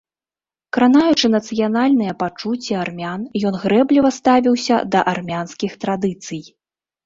Кранаючы нацыянальныя пачуцці армян, ён грэбліва ставіўся да армянскіх традыцый.